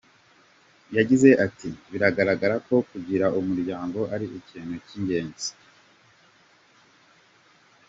Yagize iti “Biragaragara ko kugira umuryango ari ikintu cy’ingenzi.